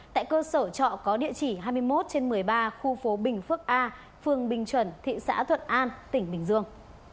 tại cơ sở trọ có địa chỉ hai mươi một trên một mươi ba khu phố bình phước a phường bình chuẩn thị xã thuận an tỉnh bình dương